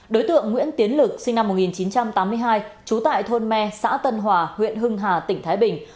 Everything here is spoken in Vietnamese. đối tượng nguyễn tiến lực sinh năm một nghìn chín trăm tám mươi hai trú tại thôn me xã tân hòa huyện hưng hà tỉnh thái bình